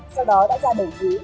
sau đó đã ra đầu chú